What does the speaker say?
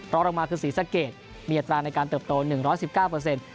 รองลงมาคือศรีสะเกดมีอัตราในการเติบโต๑๑๙เปอร์เซ็นต์